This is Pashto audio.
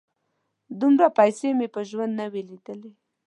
_دومره پيسې مې په ژوند نه وې لېدلې.